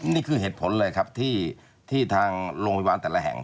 นี่คือเหตุผลเลยครับที่ทางโรงพยาบาลแต่ละแห่ง